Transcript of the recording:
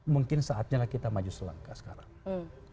mungkin saatnya kita maju selangkah sekarang